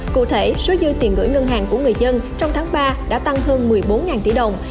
cụ thể số dư tiền gửi ngân hàng của người dân trong tháng ba đã tăng hơn một mươi bốn tỷ đồng